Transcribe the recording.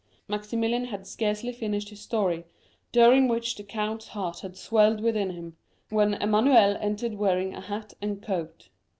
Maximilian had scarcely finished his story, during which the count's heart had swelled within him, when Emmanuel entered wearing a hat and coat.